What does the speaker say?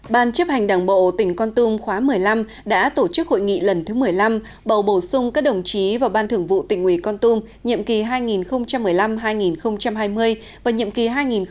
ban chấp hành đảng bộ tỉnh con tum khóa một mươi năm đã tổ chức hội nghị lần thứ một mươi năm bầu bổ sung các đồng chí vào ban thưởng vụ tỉnh ủy con tum nhiệm kỳ hai nghìn một mươi năm hai nghìn hai mươi và nhiệm kỳ hai nghìn hai mươi hai nghìn hai mươi năm